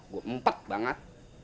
gua empet banget